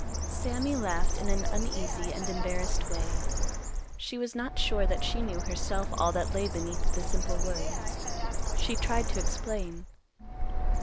Sammy laughed in an uneasy and embarrassed way. She was not sure that she knew herself all that lay beneath the simple words. She tried to explain.